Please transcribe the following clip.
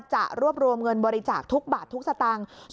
จะรวบรวมเงินบริจาคทุกบาททุกสตางค์